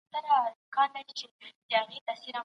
زه باید د وټساپ لینک شریک کړم.